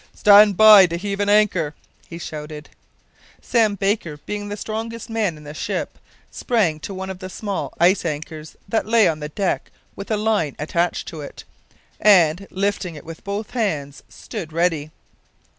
"Stand by to heave an anchor," he shouted. Sam Baker, being the strongest man in the ship, sprang to one of the small ice anchors that lay on the deck with a line attached to it, and, lifting it with both hands, stood ready.